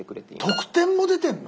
得点も出てるの？